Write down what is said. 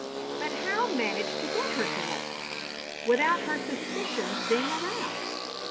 But how manage to get her to Walpi without her suspicions being aroused?